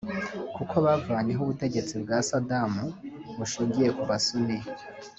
kuko bavanyeho ubutegetsi bwa Sadam bushingiye ku ba suni